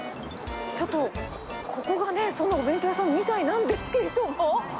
ちょっとここがね、そのお弁当屋さんみたいなんですけども。